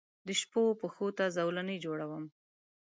دشپووپښوته زولنې جوړوم